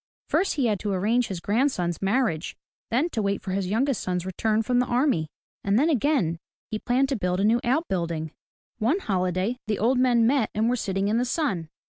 First he had to arrange his grandson's marriage; then to wait for his youngest son's return from the army; and then again, he planned to build a new out building. One holiday the old men met and were sitting in the sun.